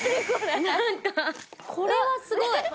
これはすごい！